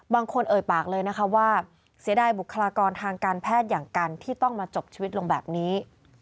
เอ่ยปากเลยนะคะว่าเสียดายบุคลากรทางการแพทย์อย่างกันที่ต้องมาจบชีวิตลงแบบนี้